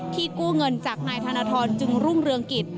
กู้เงินจากนายธนทรจึงรุ่งเรืองกิจ